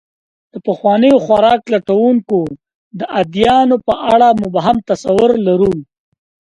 د پخوانیو خوراک لټونکو د ادیانو په اړه مبهم تصور لرو.